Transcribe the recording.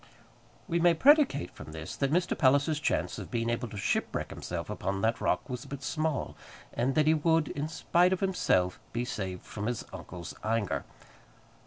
We may predicate from this that Mr. Palliser's chance of being able to shipwreck himself upon that rock was but small, and that he would, in spite of himself, be saved from his uncle's anger.